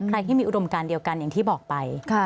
ใครที่มีอุดมการเดียวกันอย่างที่บอกไป